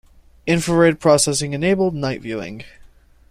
Infrared processing enabled night viewing.